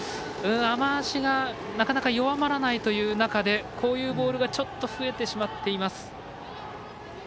雨足がなかなか弱まらないという中でこういうボールがちょっと増えてしまっています。